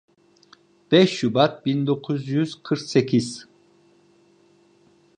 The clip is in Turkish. Beş Şubat bin dokuz yüz kırk sekiz.